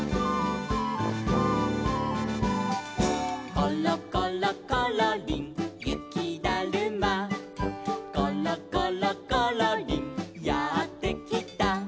「ころころころりんゆきだるま」「ころころころりんやってきた」